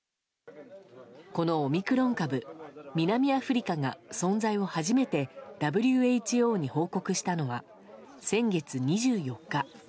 このオミクロン株南アフリカが存在を初めてＷＨＯに報告したのは先月２４日。